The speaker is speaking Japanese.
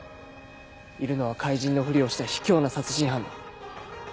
いるのは怪人のふりをした卑怯な殺人犯だ。